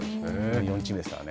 ４チームですからね。